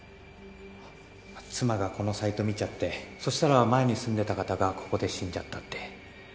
妻がこのサイト見ちゃってそしたら前に住んでた方がここで死んじゃったって。